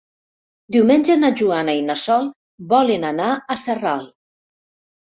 Diumenge na Joana i na Sol volen anar a Sarral.